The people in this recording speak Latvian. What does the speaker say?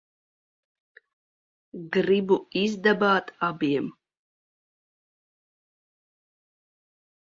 Gribu izdabāt abiem.